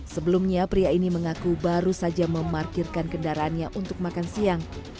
sebelumnya pria ini mengaku baru saja memarkirkan kendaraannya untuk makan siang